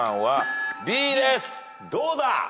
どうだ？